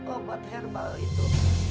obat herbal itu